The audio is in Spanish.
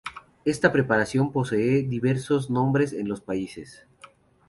Esta preparación posee diversos nombres en los países.